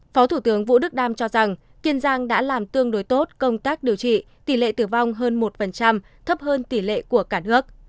phó thủ tướng vũ đức đam cho rằng kiên giang đã làm tương đối tốt công tác điều trị tỷ lệ tử vong hơn một thấp hơn tỷ lệ của cả nước